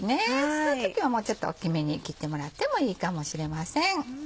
その時はもうちょっと大っきめに切ってもらってもいいかもしれません。